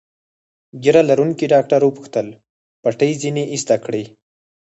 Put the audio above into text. ږیره لرونکي ډاکټر وپوښتل: پټۍ ځینې ایسته کړي؟